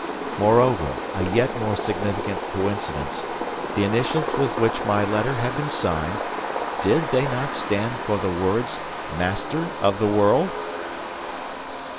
Moreover, a yet more significant coincidence, the initials with which my letter had been signed, did they not stand for the words "Master of the World?"